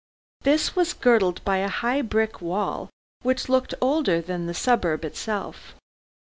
This was girdled by a high brick wall which looked older than the suburb itself.